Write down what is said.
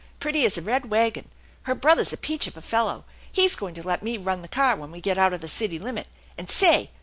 Pretty as a red wagon! Her brother's a peach of a fellow, "He's going to let me run the car when we get out of the city limit; and say!